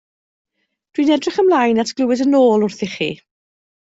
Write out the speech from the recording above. Dwi'n edrych ymlaen at glywed yn ôl wrthych chi.